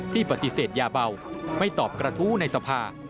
ปฏิเสธยาเบาไม่ตอบกระทู้ในสภา